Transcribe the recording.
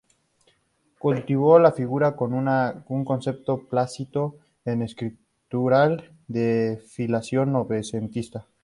Cultivó la figura, con un concepto plácido y estructural de filiación novecentista.